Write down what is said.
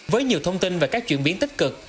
với nhiều thông tin và các chuyển biến tích cực